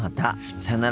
さよなら。